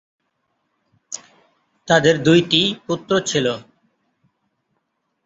তাদের দুইটি পুত্র ছিল।